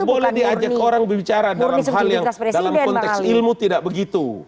tidak boleh diajak orang berbicara dalam hal yang dalam konteks ilmu tidak begitu